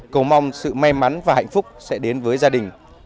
cầu mong sự may mắn và hạnh phúc sẽ đến với gia đình